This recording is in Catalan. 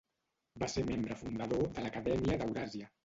Va ser membre fundador de l'Acadèmia d'Euràsia.